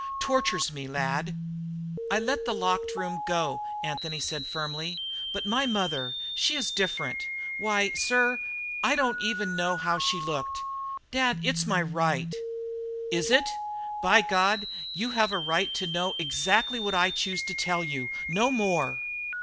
"Tortures me, lad!" "I let the locked room go," said Anthony firmly, "but my mother she is different. Why, sir, I don't even know how she looked! Dad, it's my right!" "Is it? By God, you have a right to know exactly what I choose to tell you no more!"